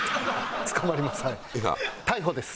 捕まりますはい。